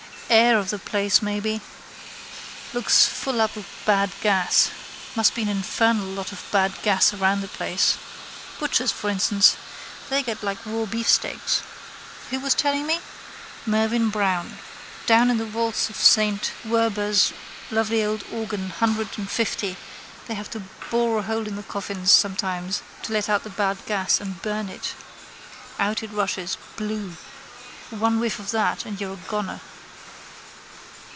Air of the place maybe. Looks full up of bad gas. Must be an infernal lot of bad gas round the place. Butchers, for instance: they get like raw beefsteaks. Who was telling me? Mervyn Browne. Down in the vaults of saint Werburgh's lovely old organ hundred and fifty they have to bore a hole in the coffins sometimes to let out the bad gas and burn it. Out it rushes: blue. One whiff of that and you're a goner.